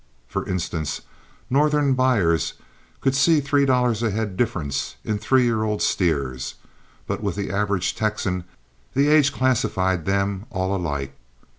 For instance, Northern buyers could see three dollars a head difference in three year old steers, but with the average Texan the age classified them all alike.